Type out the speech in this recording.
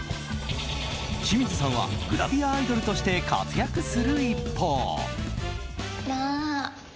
清水さんはグラビアアイドルとして活躍する一方。